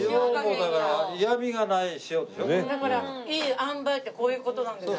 だからいいあんばいってこういう事なんですね。